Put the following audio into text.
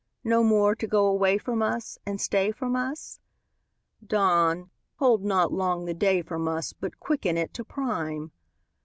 No more to go away from us And stay from us?— Dawn, hold not long the day from us, But quicken it to prime!